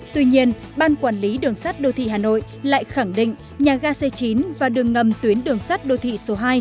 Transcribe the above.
tuy nhiên ban quản lý đường sắt đô thị hà nội lại khẳng định nhà ga c chín và đường ngầm tuyến đường sắt đô thị số hai